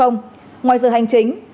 ngoài giờ hành chính